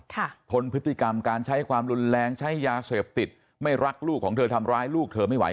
ทนพฤติกรรมการใช้ความรุนแรงใช้ยาเสพติดไม่รักลูกของเธอทำร้ายลูกเธอไม่ไหว